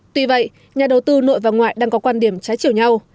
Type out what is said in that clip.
tuy vậy nhà đầu tư nội và ngoại đang có quan điểm trái chiều nhau